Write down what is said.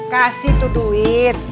kasih tuh duit